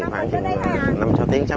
khoảng năm sáu tiếng